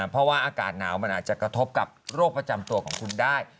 เพราะว่าอากาศหนาวมันอาจจะกระทบกับโรคประจำตัวของคุณได้